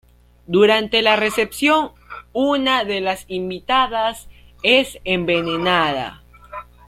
Durante la recepción, una de las invitadas es envenenada.